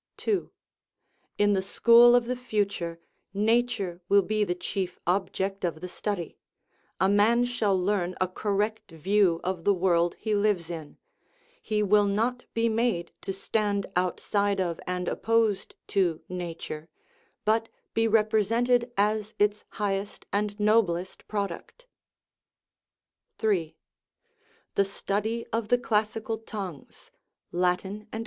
2. In the school of the future nature will be the chief object of the study ; a man shall learn a correct view of the world he lives in ; he will not be made to stand out side of and opposed to nature, but be represented as its highest and noblest product. 3. The study of the classical tongues (Latin and!